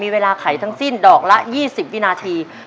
เวลาไขทั้งสิ้นดอกละ๒๐วินาที